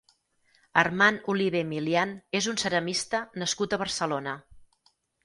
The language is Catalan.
Armand Olivé Milian és un ceramista nascut a Barcelona.